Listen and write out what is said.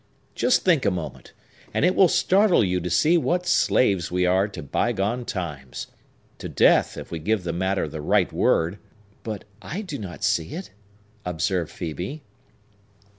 Just think a moment, and it will startle you to see what slaves we are to bygone times,—to Death, if we give the matter the right word!" "But I do not see it," observed Phœbe.